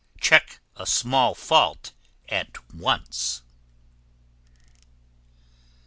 Check a small fault at once.